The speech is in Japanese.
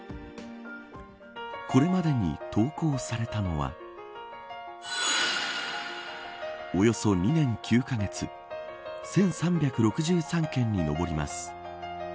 これまでに投稿されたのはおよそ２年９カ月１３６３件に上ります。